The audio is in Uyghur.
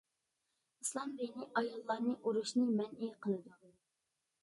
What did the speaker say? ئىسلام دىنى ئاياللارنى ئۇرۇشنى مەنئى قىلىدۇ.